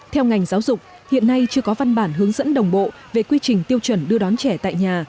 theo ngành giáo dục hiện nay chưa có văn bản hướng dẫn đồng bộ về quy trình tiêu chuẩn đưa đón trẻ tại nhà